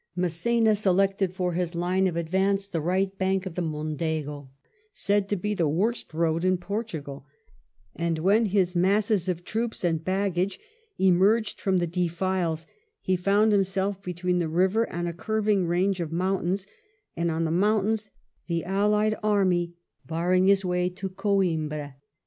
Mass^na selected for his line of advance the right bank of the Mondego, said to be the worst road in Portugal, and when his masses of troops and baggage emerged from the defiles he found himself between the river and a curving range of mountains, and on the mountains the allied army barring his way to Coimbra.